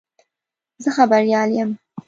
زه خبریال یم.